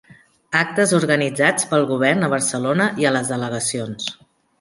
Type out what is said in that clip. Actes organitzats pel Govern a Barcelona i a les delegacions.